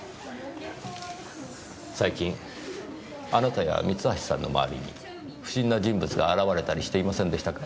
最近あなたや三橋さんの周りに不審な人物が現れたりしていませんでしたか？